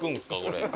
これ。